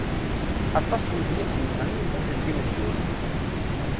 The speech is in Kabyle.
Aṭas imedyazen-nneɣ i immuten d imenguren.